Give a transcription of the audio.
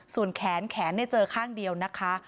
ส่วนแขนแขนเจอข้างเดียวนะคะ